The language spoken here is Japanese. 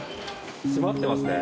閉まってますね。